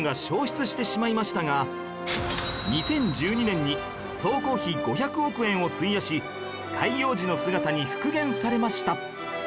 ２０１２年に総工費５００億円を費やし開業時の姿に復元されました